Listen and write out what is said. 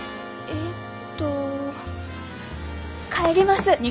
えっと帰ります。